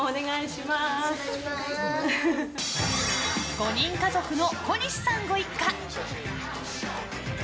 ５人家族の小西さんご一家。